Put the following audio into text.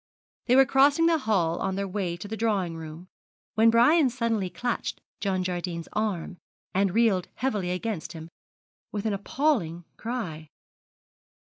They were crossing the hall on their way to the drawing room, when Brian suddenly clutched John Jardine's arm and reeled heavily against him, with an appalling cry.